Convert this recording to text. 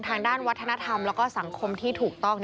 ทางด้านวัฒนธรรมและสังคมที่ถูกต้อง